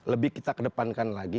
lebih kita kedepankan lagi